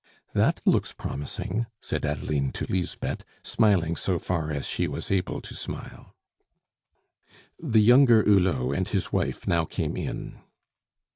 "That looks promising," said Adeline to Lisbeth, smiling so far as she was able to smile. The younger Hulot and his wife now came in.